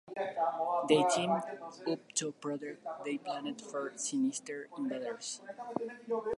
They team up to protect their planet from sinister invaders!.